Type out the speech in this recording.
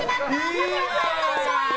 朝倉さんの勝利！